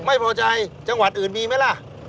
ไม่พอใจจังหวัดอื่นมีไหมล่ะ